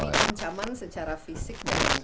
tapi ancaman secara fisik